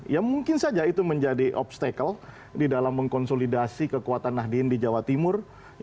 ya mungkin saja itu menjadi obstacle di dalam mengkonsolidasi kekuatan nahdien di jawa timur